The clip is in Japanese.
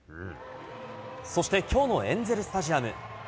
そして、きょうのエンゼルスタジアム。